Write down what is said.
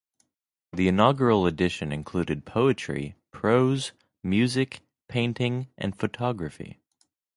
The inaugural edition included poetry, prose, music, painting and photography.